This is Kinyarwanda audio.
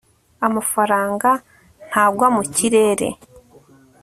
amafaranga ntagwa mu kirere